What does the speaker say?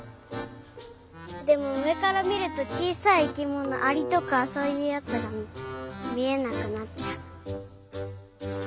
でもうえからみるとちいさい生きものアリとかそういうやつがみえなくなっちゃう。